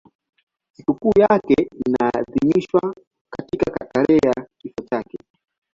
Sikukuu yake inaadhimishwa katika tarehe ya kifo chake.